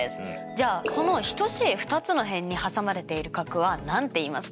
じゃあその等しい２つの辺に挟まれている角は何ていいますか？